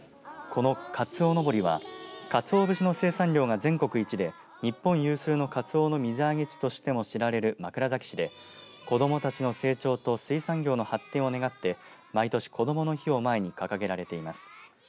この、かつおのぼりはかつお節の生産量が全国一で日本有数のカツオの水揚げ地としても知られる枕崎市で子どもたちの成長と水産業の発展を願って毎年こどもの日を前に掲げられています。